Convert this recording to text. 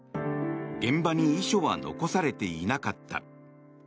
現場に遺書は残されていなかった。